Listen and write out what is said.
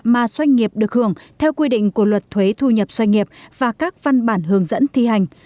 mà doanh nghiệp được hưởng theo quy định của luật thuế thu nhập doanh nghiệp và các văn bản hướng dẫn thi hành